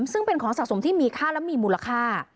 ซึ่งเป็นของสะสมที่มีค่าและมีมูลค่า